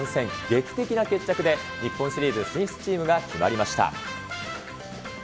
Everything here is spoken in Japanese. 劇的な決着で日本シリーズ進出チームが決まりました。